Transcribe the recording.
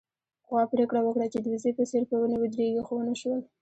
غوا پرېکړه وکړه چې د وزې په څېر په ونې ودرېږي، خو ونه شول